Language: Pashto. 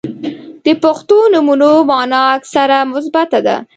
• د پښتو نومونو مانا اکثراً مثبته ده.